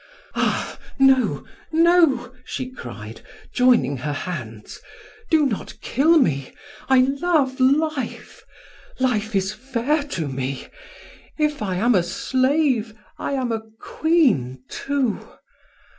Ah, no, no!" she cried, joining her hands, "do not kill me! I love life! Life is fair to me! If I am a slave, I am a queen too.